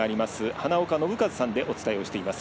花岡伸和さんでお伝えをしています。